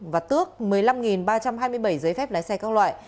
và tước một mươi năm ba trăm hai mươi bảy giấy phép lái xe các loại